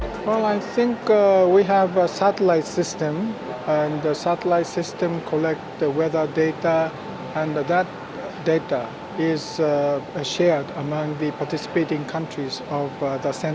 di antara negara negara yang berpartisipasi di pusat ini dengan melakukan ini kita dapat memberikan peringatan awal dan setiap negara dapat bersiap untuk penyakit alam